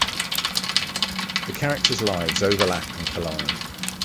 The character's lives overlap and collide.